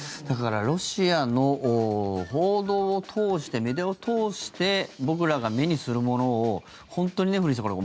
だからロシアの報道を通してメディアを通して僕らが目にするものを本当に古市さん